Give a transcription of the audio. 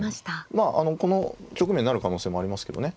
まあこの局面になる可能性もありますけどね。